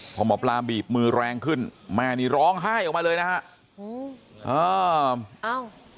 พอหมอปลาบีบมือแรงขึ้นแม่นี่ร้องไห้ออกมาเลยนะฮะ